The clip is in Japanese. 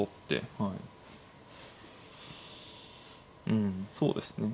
うんそうですね